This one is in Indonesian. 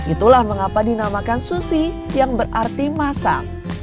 itulah mengapa dinamakan susi yang berarti masam